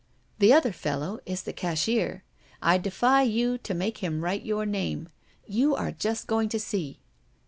The other fellow is the cashier. I defy you to make him write your name. You are just going to see."